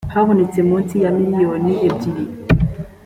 habonetse munsi ya miliyoni ebyiri